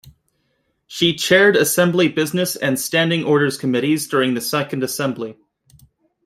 She chaired Assembly Business and Standing Orders Committees during the Second Assembly.